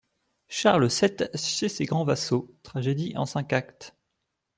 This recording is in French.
=Charles sept chez ses grands vassaux.= Tragédie en cinq actes.